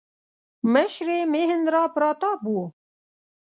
مشر یې مهیندراپراتاپ و.